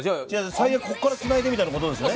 最悪ここから繋いでみたいな事ですよね。